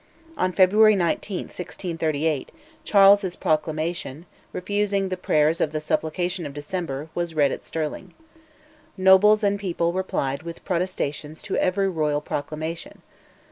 On February 19, 1638, Charles's proclamation, refusing the prayers of the supplication of December, was read at Stirling. Nobles and people replied with protestations to every royal proclamation.